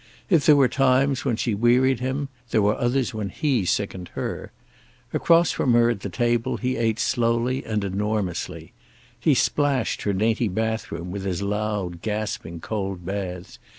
If there were times when she wearied him, there were others when he sickened her. Across from her at the table he ate slowly and enormously. He splashed her dainty bathroom with his loud, gasping cold baths.